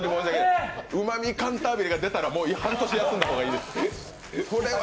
うまみカンタービレが出たら半年休んだ方がいいです。